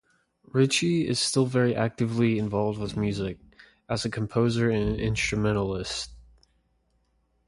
Richie is still very actively involved with music, as a composer and instrumentalist.